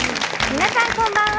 皆さん、こんばんは。